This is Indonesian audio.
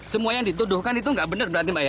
semua yang dituduhkan itu nggak benar berarti mbak ya